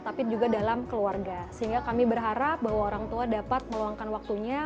tapi juga dalam keluarga sehingga kami berharap bahwa orang tua dapat meluangkan waktunya